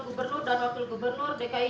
gubernur dan wakil gubernur dki